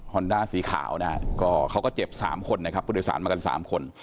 ด้าสีขาวนะฮะก็เขาก็เจ็บ๓คนนะครับผู้โดยสารมากัน๓คน